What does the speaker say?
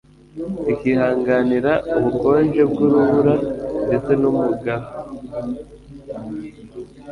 rikihanganira ubukonje bw'urubura ndetse n'umugaru.